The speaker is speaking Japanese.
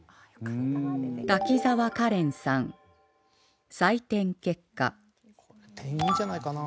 滝沢カレンさん採点結果点いいんじゃないかな。